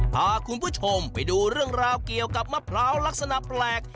พาคุณผู้ชมไปดูเรื่องราวเกี่ยวกับมะพร้าวลักษณะแปลก